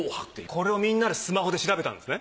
これをみんなでスマホで調べたんですね？